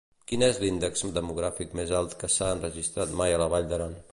Quin és l'índex demogràfic més alt que s'ha enregistrat mai a la Vall d'Aran?